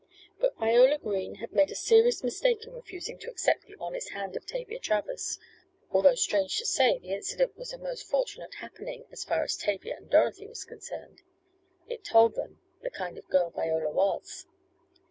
But Viola Green had made a serious mistake in refusing to accept the honest hand of Tavia Travers, although strange to say the incident was a most fortunate happening, as far as Tavia and Dorothy were concerned it told them the kind of girl Viola was.